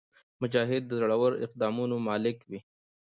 مجاهد د زړور اقدامونو مالک وي.